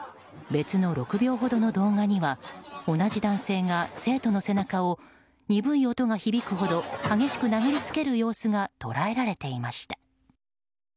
別の６秒ほどの動画には同じ男性が、生徒の背中を鈍い音が響くほど激しく殴りつける様子が捉えられていました。